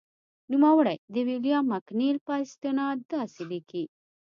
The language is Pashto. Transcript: نوموړی د ویلیام مکنیل په استناد داسې لیکي.